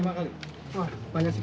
iya cukup banyak